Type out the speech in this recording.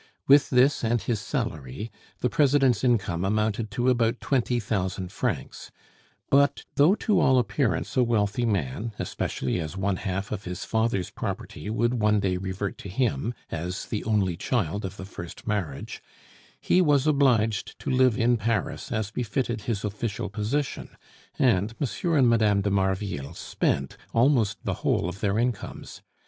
With this and his salary, the President's income amounted to about twenty thousand francs; but though to all appearance a wealthy man, especially as one half of his father's property would one day revert to him as the only child of the first marriage, he was obliged to live in Paris as befitted his official position, and M. and Mme. de Marville spent almost the whole of their incomes.